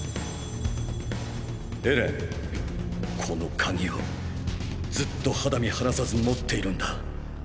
この鍵をずっと肌身離さず持っているんだ。